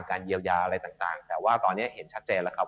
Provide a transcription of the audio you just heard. เยียวยาอะไรต่างแต่ว่าตอนนี้เห็นชัดเจนแล้วครับ